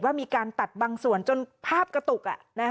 มีการตัดบางส่วนจนภาพกระตุก